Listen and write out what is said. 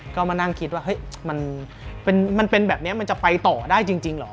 ก็มานั่งคิดว่าเฮ้ยมันเป็นแบบนี้มันจะไปต่อได้จริงเหรอ